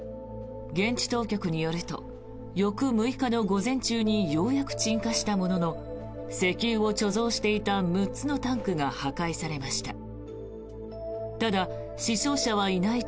現地当局によると翌６日の午前中にようやく鎮火したものの石油を貯蔵していた６つのタンクが破壊されました。